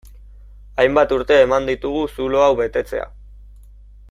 Hainbat urte eman ditugu zulo hau betetzea.